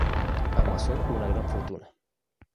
Amasó una gran fortuna.